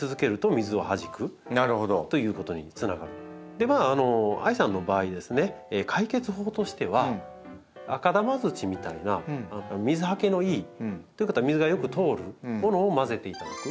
ではあいさんの場合ですね解決法としては赤玉土みたいな水はけのいいということは水がよく通るものを混ぜていただく。